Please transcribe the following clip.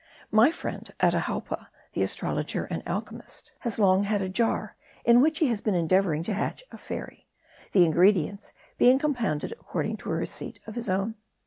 My friend Atahalpa, the astrologer and alchymist, has long had a jar, in which he has been endeavoring to hatch a fairy, the ingredients being compounded according to a receipt of his own."